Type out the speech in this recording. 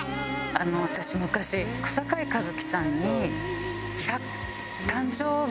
あの私昔小堺一機さんに。